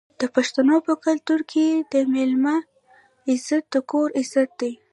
د پښتنو په کلتور کې د میلمه عزت د کور عزت دی.